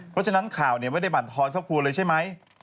เพราะฉะนั้นข่าวเนี่ยไม่ได้บรรทอดเข้าครัวเลยใช่ไหม